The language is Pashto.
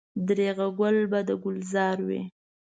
درېغه ګل به د ګلزار وي.